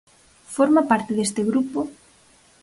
Forma parte deste grupo?